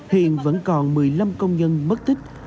hiện vẫn còn một mươi năm công nhân mất tích